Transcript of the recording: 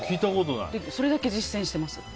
それだけ実践してます。